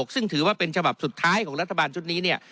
ซึ่งถือว่าเป็นฉบับสุดท้ายของรัฐบาลชุดนี้เนี่ย